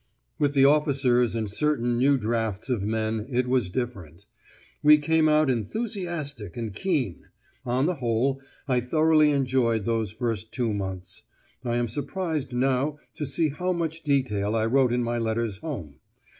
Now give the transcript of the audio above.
With the officers and certain new drafts of men, it was different. We came out enthusiastic and keen. On the whole, I thoroughly enjoyed those first two months. I am surprised now to see how much detail I wrote in my letters home.